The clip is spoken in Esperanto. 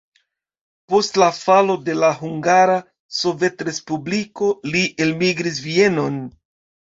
Post la falo de la Hungara Sovetrespubliko li elmigris Vienon.